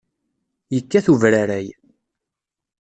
Yekkat ubraray.